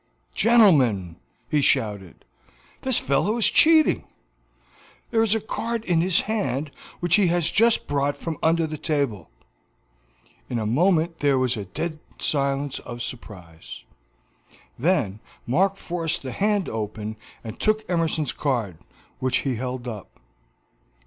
"Gentlemen," he shouted, "this fellow is cheating; there is a card in his hand which he has just brought from under the table." In a moment there was a dead silence of surprise; then Mark forced the hand open and took Emerson's card, which he held up.